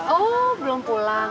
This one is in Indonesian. oh belum pulang